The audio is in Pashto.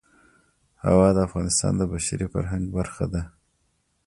هوا د افغانستان د بشري فرهنګ برخه ده.